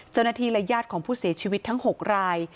เจ้าหน้าที่และญาติของผู้เสียชีวิตทั้ง๖ราย